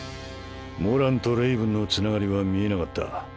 モランとレイブンのつながりは見えなかった。